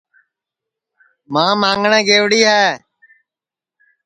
ماں ماںٚگٹؔے گئوڑی ہے